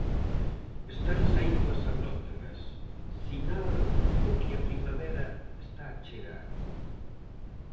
Están saíndo as abrótegas, sinal de que a primavera está a chegar